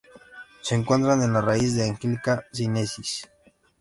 Se encuentra en la raíz de "Angelica sinensis".